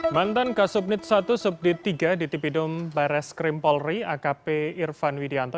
mantan kasubnit satu subdit tiga di tepidum bares krimpolri akp irfan widianto